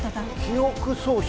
記憶喪失？